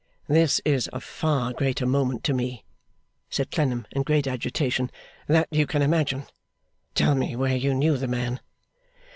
'This is of far greater moment to me' said Clennam, in great agitation, 'than you can imagine. Tell me where you knew the man.